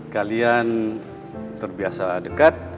kalian terbiasa dekat